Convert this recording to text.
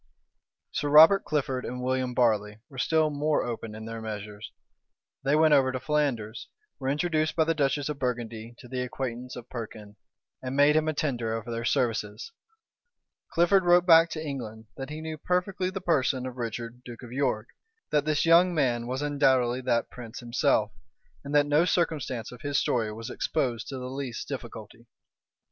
Sir Robert Clifford and William Barley were still more open in their measures: they went over to Flanders, were introduced by the duchess of Burgundy to the acquaintance of Perkin, and made him a tender of their services. Clifford wrote back to England, that he knew perfectly the person of Richard, duke of York, that this young man was undoubtedly that prince himself, and that no circumstance of his story was exposed to the least difficulty.